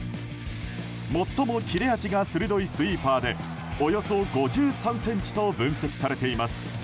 最も切れ味が鋭いスイーパーでおよそ５３ｃｍと分析されています。